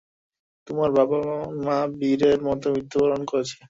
তোমার বাবা-মা বীরের মতো মৃত্যুবরণ করেছে।